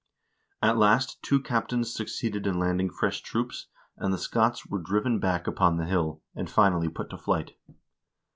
At last two captains succeeded in landing fresh troops, and the Scots were driven back upon the hill, and finally put to flight.